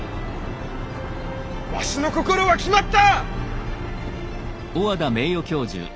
わしの心は決まった！